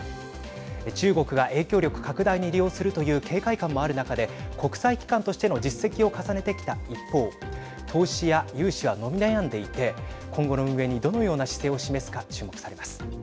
中国が影響力拡大に利用するという警戒感もある中で国際機関としての実績を重ねてきた一方投資や融資は伸び悩んでいて今後の運営にどのような姿勢を示すか注目されます。